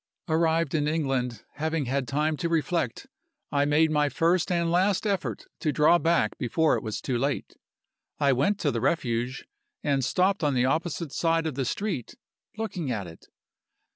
Arrived in England, having had time to reflect, I made my first and last effort to draw back before it was too late. I went to the Refuge, and stopped on the opposite side of the street, looking at it.